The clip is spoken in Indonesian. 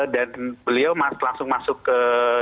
dan beliau langsung masuk ke